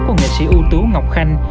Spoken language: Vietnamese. của nghệ sĩ ưu tú ngọc khanh